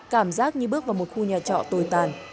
cảm giác như bước vào một khu nhà trọ tồi tàn